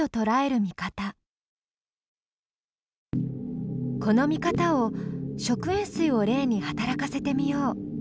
この見方を食塩水を例に働かせてみよう。